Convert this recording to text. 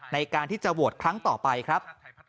ในการที่จะโหวตครั้งต่อไปครับ